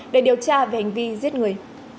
để điều tra về hành vi giết người